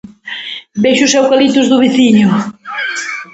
Vexo os eucaliptos do veciño. [ruído]